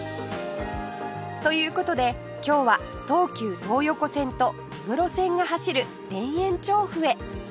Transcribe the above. という事で今日は東急東横線と目黒線が走る田園調布へ